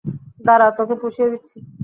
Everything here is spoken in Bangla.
দাঁড়া, তোকে পুষিয়ে দিচ্ছি!